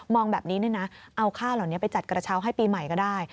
องแบบนี้เนี่ยนะเอาข้าวเหล่านี้ไปจัดกระเช้าให้ปีใหม่ก็ได้